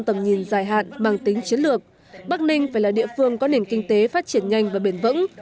thế lược bắc ninh phải là địa phương có nền kinh tế phát triển nhanh và bền vững